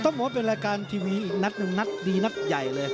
ต้องบอกว่าเป็นรายการทีวีอีกนัดหนึ่งนัดดีนัดใหญ่เลย